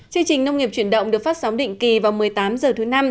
chương trình nông nghiệp chuyển động được phát sóng định kỳ vào một mươi tám h thứ năm